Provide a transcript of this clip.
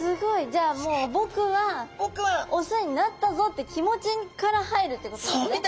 じゃあもうぼくはオスになったぞって気持ちから入るってことですね。